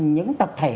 những tập thể